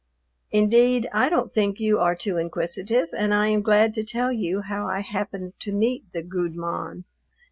Indeed, I don't think you are too inquisitive, and I am glad to tell you how I happened to meet the "gude mon."